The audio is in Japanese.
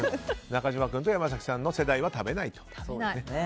中島君と山崎さんの世代は食べないと。